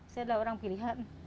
saya adalah orang pilihan